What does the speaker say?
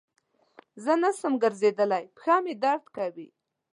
زه نسم ګرځیدلای پښه مي درد کوی.